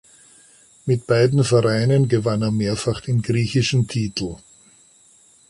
Mit beiden Vereinen gewann er mehrfach den griechischen Titel.